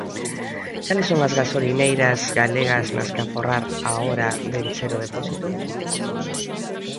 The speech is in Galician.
Cales son as gasolineiras galegas nas que aforrar á hora de encher o depósito?